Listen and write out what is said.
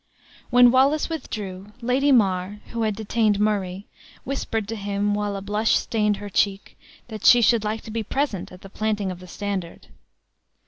When Wallace withdrew, Lady Mar, who had detained Murray, whispered to him, while a blush stained her cheek, that she should like to be present at the planting of the standard.